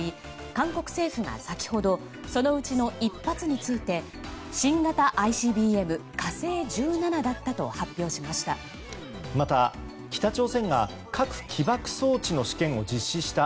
韓国政府が先ほどそのうちの１発について新型ＩＣＢＭ「火星１７」だったと発表しました。